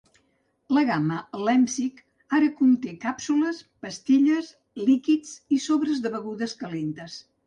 La gamma Lemsip ara conté càpsules, pastilles, líquids i sobres de begudes calentes.